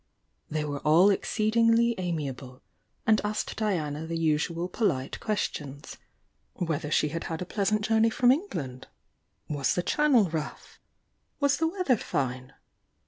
They were all exceedingly amiable, and asked Diana the usual pohte questions,— whether she had had a pleasant journey from England?— was the Channel rough? —was the weather fine?